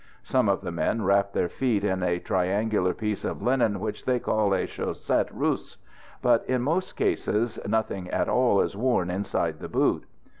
Some of the men wrap their feet in a triangular piece of linen which they call a chaussette russe; but in most cases nothing at all is worn inside the boot.